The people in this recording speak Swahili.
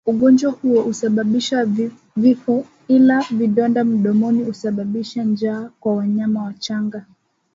Ugonjwa huu husababisha vifo ila vidonda mdomoni husababisha njaa kwa wanyama wachanga